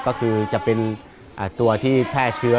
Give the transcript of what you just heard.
ก็คือจะเป็นตัวที่แพร่เชื้อ